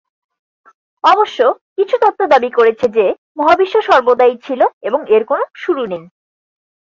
অবশ্য কিছু তত্ত্ব দাবী করেছে যে মহাবিশ্ব সর্বদাই ছিল এবং এর কোন শুরু নেই।